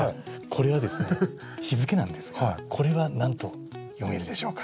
これはですね日付なんですがこれは何と読めるでしょうか？